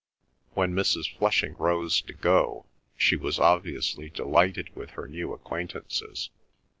When Mrs. Flushing rose to go she was obviously delighted with her new acquaintances.